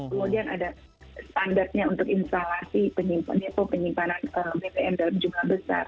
kemudian ada standarnya untuk instalasi penyimpanan bbm juga besar